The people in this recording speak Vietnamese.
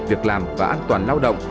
việc làm và an toàn lao động